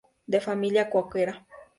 De familia cuáquera.